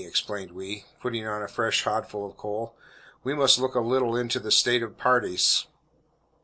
exclaimed we, putting on a fresh hodful of coal, we must look a little into the state of parties.